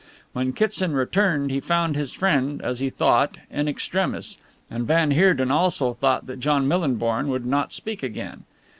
When Kitson returned he found his friend, as he thought, in extremis, and van Heerden also thought that John Millinborn would not speak again.